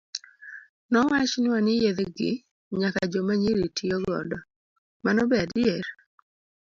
Nowachnwa ni yedhe gi nyaka joma nyiri tiyo godo, mano be adier?